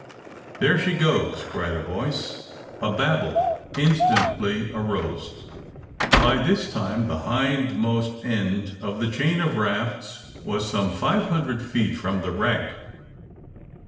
^^ There she goes !'' cried a voice. A babel in stantly arose. By this time the hindmost end of the chain of rafts was some &ve hundred feet from the wreck.